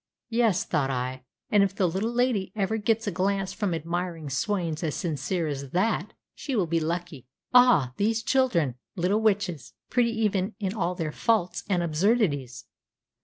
"Yes," thought I; "and if the little lady ever gets a glance from admiring swains as sincere as that, she will be lucky." Ah, these children, little witches, pretty even in all their faults and absurdities.